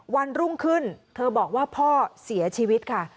วันรุ่งขึ้นเธอบอกว่าพ่อเสียชีวิตค่ะ